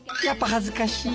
やっぱ恥ずかし！